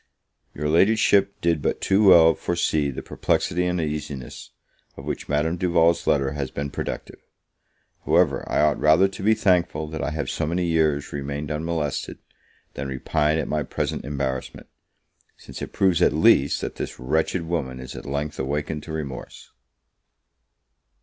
YOUR Ladyship did but too well foresee the perplexity and uneasiness of which Madame Duval's letter has been productive. However, I ought rather to be thankful that I have so many years remained unmolested, than repine at my present embarrassment; since it proves, at least, that this wretched woman is at length awakened to remorse.